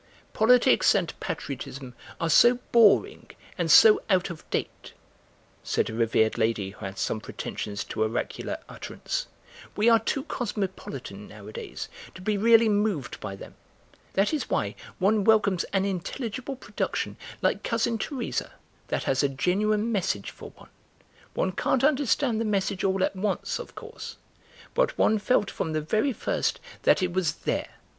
"Politics and patriotism are so boring and so out of date," said a revered lady who had some pretensions to oracular utterance; "we are too cosmopolitan nowadays to be really moved by them. That is why one welcomes an intelligible production like 'Cousin Teresa,' that has a genuine message for one. One can't understand the message all at once, of course, but one felt from the very first that it was there.